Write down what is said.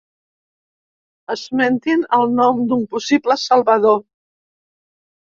Esmentin el nom d'un possible salvador.